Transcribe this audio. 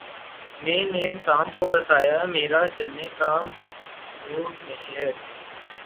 میں نے ٹام کو بتایا میرا چلنے کا موڈ نہیں ہے